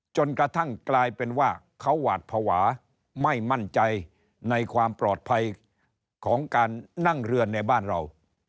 จนกระทั่งกลายเป็นว่าเขาหวาดภาวะไม่มั่นใจในความปลอดภัยของการนั่งเรือในบ้านเรา